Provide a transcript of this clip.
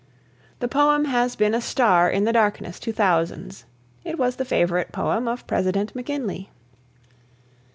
The poem has been a star in the darkness to thousands. It was the favourite poem of President McKinley.